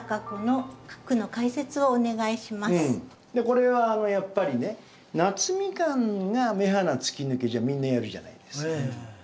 これはやっぱりね「夏蜜柑が目鼻つきぬけ」じゃみんなやるじゃないですか。